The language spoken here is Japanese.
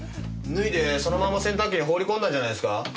脱いでそのまま洗濯機に放り込んだんじゃないですか？